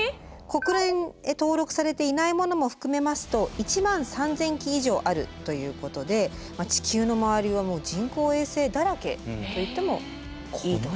国連へ登録されていないものも含めますと１万３，０００基以上あるということで地球の周りはもう人工衛星だらけと言ってもいいと。